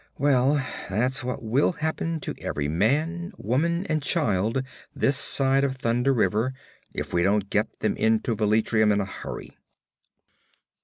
Well, that's what will happen to every man, woman and child this side of Thunder River if we don't get them into Velitrium in a hurry.'